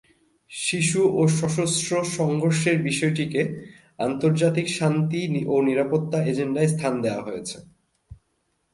শিশু ও সশস্ত্র সংঘর্ষের বিষয়টিকে আন্তর্জাতিক শান্তি ও নিরাপত্তা এজেন্ডায় স্থান দেওয়া হয়েছে।